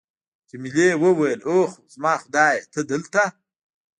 جميلې وويل:: اوه، زما خدایه، ته دلته!